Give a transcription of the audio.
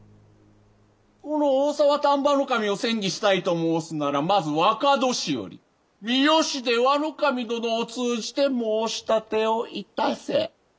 この大沢丹波守を詮議したいと申すならまず若年寄三好出羽守殿を通じて申し立てをいたせ。